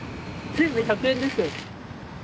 ・全部１００円ですよ。